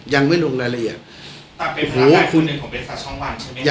ยังไม่ลงรายละเอียดแต่ไปหางานคู่หนึ่งของบริษัทช่องว่างใช่ไหมครับ